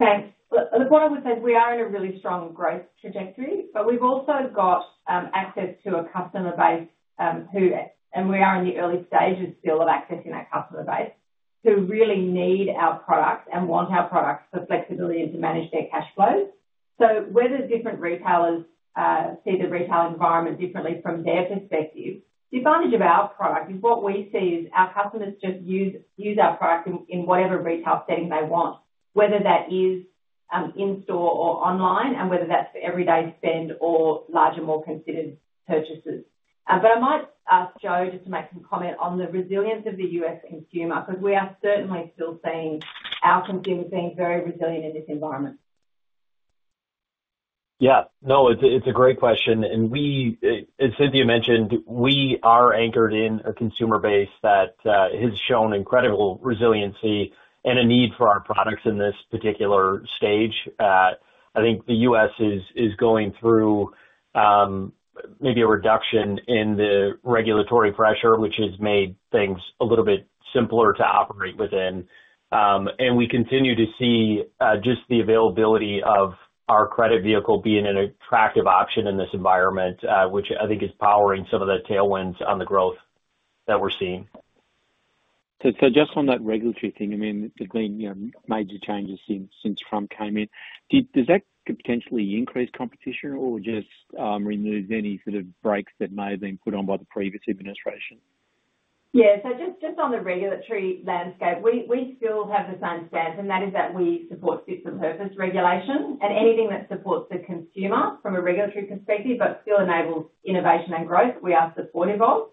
Look, what I would say is we are in a really strong growth trajectory, but we've also got access to a customer base who, and we are in the early stages still of accessing that customer base, who really need our products and want our products for flexibility and to manage their cash flows. So whether different retailers see the retail environment differently from their perspective, the advantage of our product is what we see is our customers just use our product in whatever retail setting they want, whether that is in-store or online, and whether that's for everyday spend or larger, more considered purchases. But I might ask Joe just to make some comment on the resilience of the US consumer because we are certainly still seeing our consumers being very resilient in this environment. Yeah. No, it's a great question. And as Cynthia mentioned, we are anchored in a consumer base that has shown incredible resiliency and a need for our products in this particular stage. I think the US is going through maybe a reduction in the regulatory pressure, which has made things a little bit simpler to operate within. We continue to see just the availability of our credit vehicle being an attractive option in this environment, which I think is powering some of the tailwinds on the growth that we're seeing. Just on that regulatory thing, I mean, the main major changes since Trump came in, does that potentially increase competition or just remove any sort of brakes that might have been put on by the previous administration? Yeah. Just on the regulatory landscape, we still have the same stance, and that is that we support fit-for-purpose regulation and anything that supports the consumer from a regulatory perspective but still enables innovation and growth we are supportive of.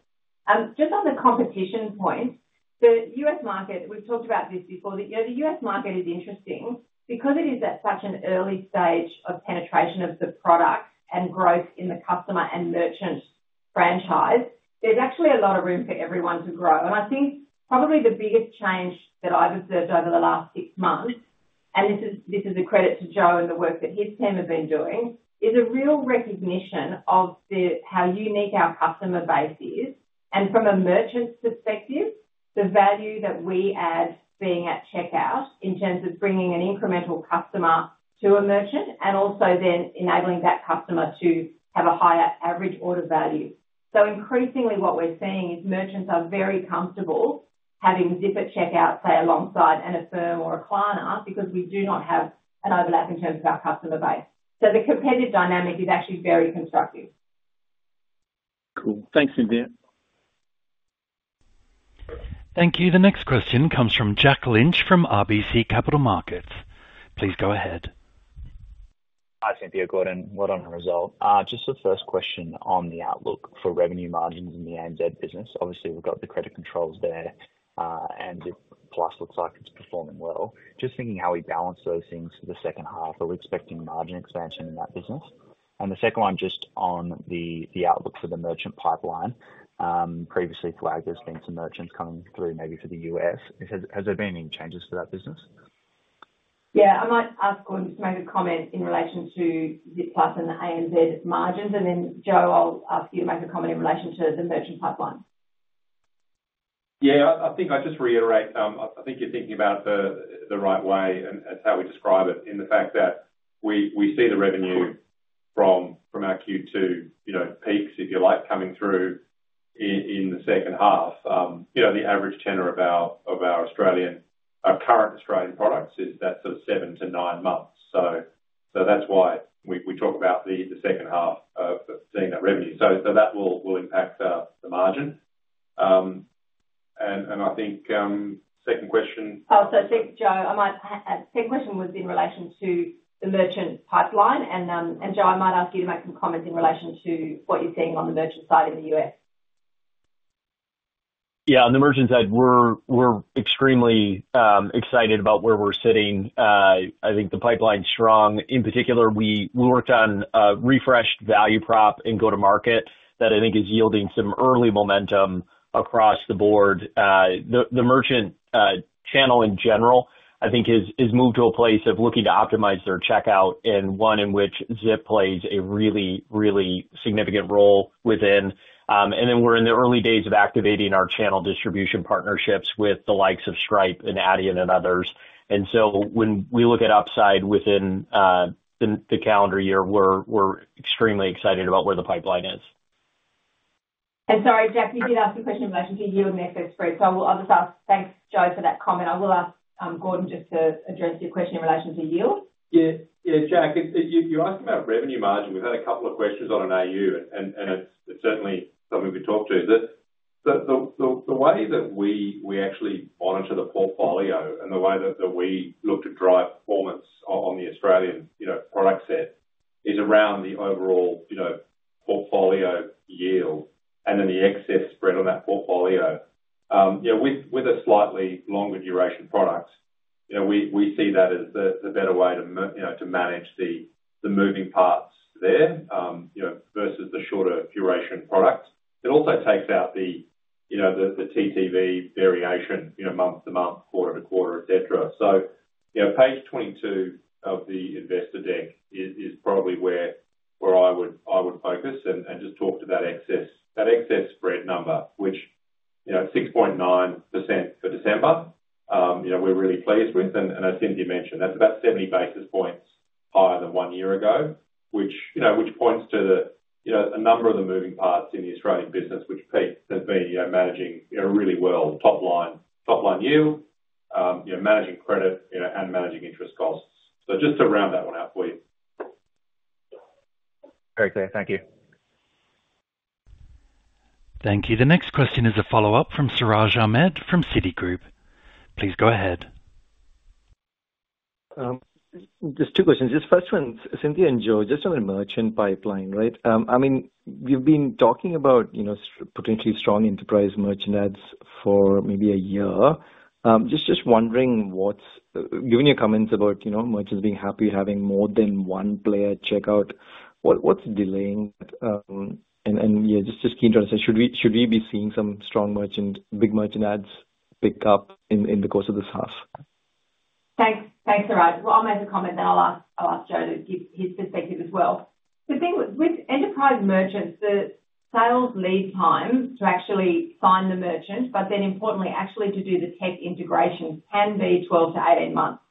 Just on the competition point, the US market, we've talked about this before, that the US market is interesting because it is at such an early stage of penetration of the product and growth in the customer and merchant franchise. There's actually a lot of room for everyone to grow, and I think probably the biggest change that I've observed over the last six months, and this is a credit to Joe and the work that his team have been doing, is a real recognition of how unique our customer base is, and from a merchant's perspective, the value that we add being at checkout in terms of bringing an incremental customer to a merchant and also then enabling that customer to have a higher average order value. So increasingly, what we're seeing is merchants are very comfortable having Zip at checkout, say, alongside an Affirm or a Klarna because we do not have an overlap in terms of our customer base. So the competitive dynamic is actually very constructive. Cool. Thanks, Cynthia. Thank you. The next question comes from Jack Lynch from RBC Capital Markets. Please go ahead. Hi, Cynthia, Gordon. Well done on the result. Just the first question on the outlook for revenue margins in the ANZ business. Obviously, we've got the credit controls there, and Zip Plus looks like it's performing well. Just thinking how we balance those things for the second half, are we expecting margin expansion in that business? And the second one, just on the outlook for the merchant pipeline, previously flagged there's been some merchants coming through maybe for the US. Has there been any changes for that business? Yeah. I might ask Gordon to make a comment in relation to Zip Plus and the ANZ margins. And then, Joe, I'll ask you to make a comment in relation to the merchant pipeline. Yeah. I think I'll just reiterate. I think you're thinking about it the right way and how we describe it in the fact that we see the revenue from our Q2 peaks, if you like, coming through in the second half. The average tenor of our current Australian products is that sort of seven to nine months. So that's why we talk about the second half of seeing that revenue. So that will impact the margin. And I think second question. Oh, so I think, Joe, second question was in relation to the merchant pipeline. And, Joe, I might ask you to make some comments in relation to what you're seeing on the merchant side in the US. Yeah. On the merchant side, we're extremely excited about where we're sitting. I think the pipeline's strong. In particular, we worked on a refreshed value prop in go-to-market that I think is yielding some early momentum across the board. The merchant channel in general, I think, has moved to a place of looking to optimize their checkout and one in which Zip plays a really, really significant role within. And then we're in the early days of activating our channel distribution partnerships with the likes of Stripe and Adyen and others. And so when we look at upside within the calendar year, we're extremely excited about where the pipeline is. And sorry, Jack, you did ask a question in relation to yield and excess spread. So I'll just ask, thanks, Joe, for that comment. I will ask Gordon just to address your question in relation to yield. Yeah. Yeah. Jack, you asked about revenue margin. We've had a couple of questions in AU, and it's certainly something we talked to. The way that we actually monitor the portfolio and the way that we look to drive performance on the Australian product set is around the overall portfolio yield and then the excess spread on that portfolio. With a slightly longer duration product, we see that as the better way to manage the moving parts there versus the shorter duration product. It also takes out the TTV variation month to month, quarter to quarter, etc. So page 22 of the investor deck is probably where I would focus and just talk to that excess spread number, which is 6.9% for December. We're really pleased with it. And as Cynthia mentioned, that's about 70 basis points higher than one year ago, which points to a number of the moving parts in the Australian business, which Pete has been managing really well: top-line yield, managing credit, and managing interest costs. So just to round that one out for you. Very clear. Thank you. Thank you. The next question is a follow-up from Siraj Ahmed from Citigroup. Please go ahead. Just two questions. This first one, Cynthia and Joe, just on the merchant pipeline, right? I mean, we've been talking about potentially strong enterprise merchant adds for maybe a year. Just wondering what's given your comments about merchants being happy, having more than one player checkout, what's delaying that? And yeah, just keen to understand, should we be seeing some strong merchant, big merchant adds pick up in the course of this half? Thanks, Siraj. I'll make a comment, then I'll ask Joe to give his perspective as well. The thing with enterprise merchants, the sales lead time to actually find the merchant, but then importantly, actually to do the tech integration can be 12-18 months,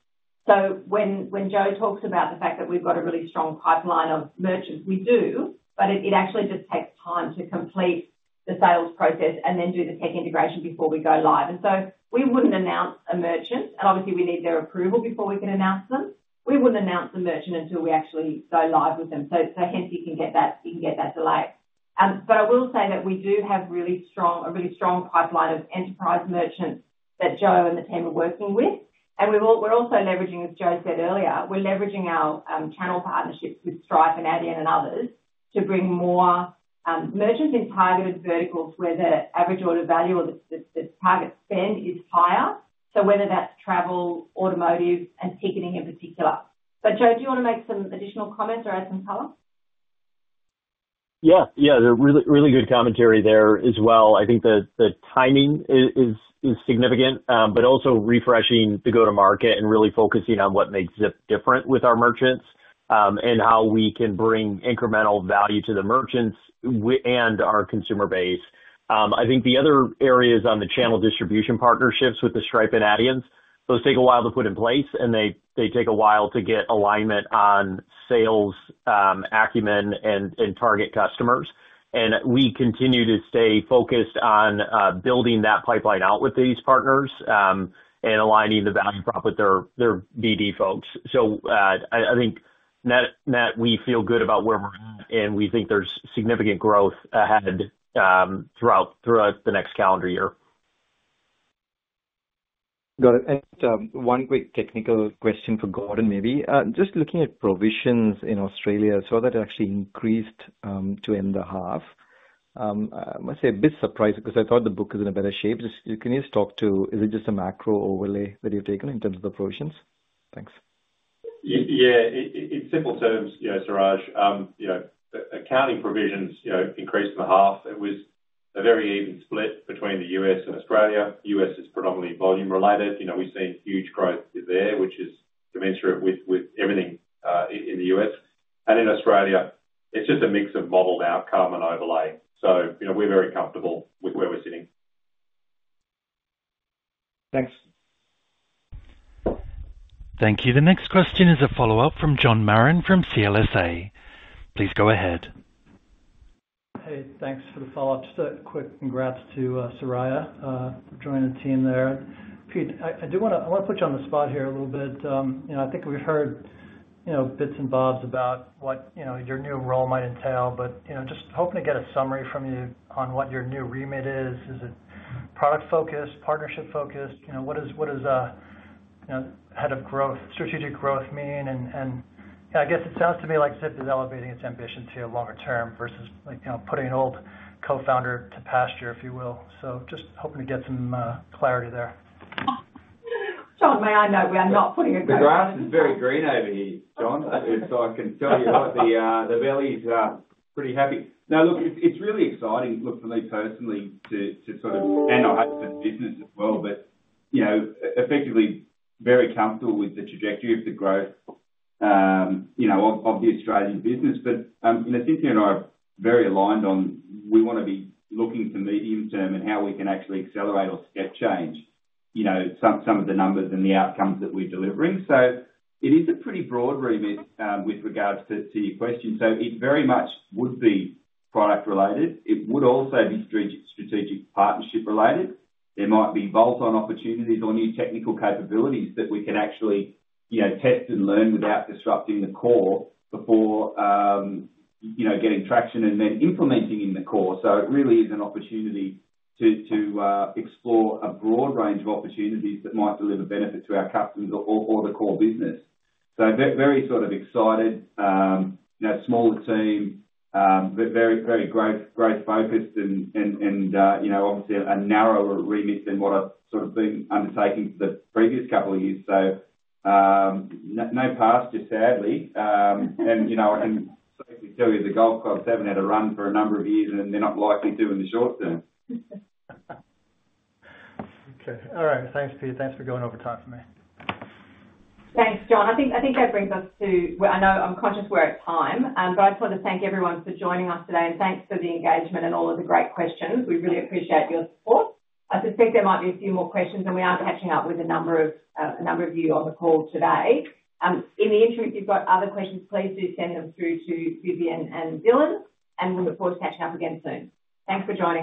so when Joe talks about the fact that we've got a really strong pipeline of merchants, we do, but it actually just takes time to complete the sales process and then do the tech integration before we go live, and so we wouldn't announce a merchant, and obviously, we need their approval before we can announce them. We wouldn't announce a merchant until we actually go live with them, so hence, you can get that delay, but I will say that we do have a really strong pipeline of enterprise merchants that Joe and the team are working with. And we're also leveraging, as Joe said earlier, we're leveraging our channel partnerships with Stripe and Adyen and others to bring more merchants in targeted verticals where the average order value or the target spend is higher. So whether that's travel, automotive, and ticketing in particular. But Joe, do you want to make some additional comments or add some color? Yeah. Yeah. Really good commentary there as well. I think the timing is significant, but also refreshing the go-to-market and really focusing on what makes Zip different with our merchants and how we can bring incremental value to the merchants and our consumer base. I think the other areas on the channel distribution partnerships with the Stripe and Adyen, those take a while to put in place, and they take a while to get alignment on sales, acumen, and target customers. And we continue to stay focused on building that pipeline out with these partners and aligning the value prop with their BD folks. So I think that we feel good about where we're at, and we think there's significant growth ahead throughout the next calendar year. Got it. And one quick technical question for Gordon maybe. Just looking at provisions in Australia, I saw that it actually increased to end the half. I must say a bit surprised because I thought the book was in a better shape. Can you just talk to, is it just a macro overlay that you've taken in terms of the provisions? Thanks. Yeah. In simple terms, Siraj, accounting provisions increased in the half. It was a very even split between the US and Australia. The US is predominantly volume-related. We've seen huge growth there, which is commensurate with everything in the US And in Australia, it's just a mix of modeled outcome and overlay. So we're very comfortable with where we're sitting. Thanks. Thank you. The next question is a follow-up from John Marrin from CLSA. Please go ahead. Hey, thanks for the follow-up. Just a quick congrats to Siraj for joining the team there. Pete, I do want to put you on the spot here a little bit. I think we've heard bits and bobs about what your new role might entail, but just hoping to get a summary from you on what your new remit is. Is it product-focused, partnership-focused? What does head of growth, strategic growth mean? And I guess it sounds to me like Zip is elevating its ambitions here longer term versus putting an old co-founder to pasture, if you will. So just hoping to get some clarity there. John, may I know we are not putting a growth plan? The grass is very green over here, John, so I can tell you what the volume is pretty heavy. Now, look, it's really exciting, looking at it personally, to sort of, and I hope for the business as well, but effectively very comfortable with the trajectory of the growth of the Australian business. But Cynthia and I are very aligned on we want to be looking to medium term and how we can actually accelerate or step change some of the numbers and the outcomes that we're delivering. So it is a pretty broad remit with regards to your question. So it very much would be product-related. It would also be strategic partnership-related. There might be bolt-on opportunities or new technical capabilities that we could actually test and learn without disrupting the core before getting traction and then implementing in the core. So it really is an opportunity to explore a broad range of opportunities that might deliver benefit to our customers or the core business. So very sort of excited, smaller team, very growth-focused, and obviously a narrower remit than what I've sort of been undertaking for the previous couple of years. So no rest, just sadly. And I can safely tell you the golf clubs haven't had a run for a number of years, and they're not likely to in the short term. Okay. All right. Thanks, Pete. Thanks for going over time for me. Thanks, John. I think that brings us to. I know I'm conscious we're at time, but I just want to thank everyone for joining us today, and thanks for the engagement and all of the great questions. We really appreciate your support. I suspect there might be a few more questions, and we are catching up with a number of you on the call today. In the interim, if you've got other questions, please do send them through to Vivienne and Dylan, and we look forward to catching up again soon. Thanks for joining us.